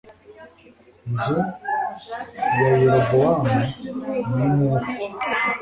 nzu ya Yerobowamu n nk uko